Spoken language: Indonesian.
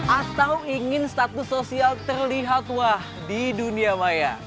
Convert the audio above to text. atau ingin status sosial terlihat wah di dunia maya